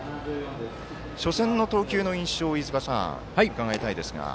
初戦の投球の印象を伺いたいですが。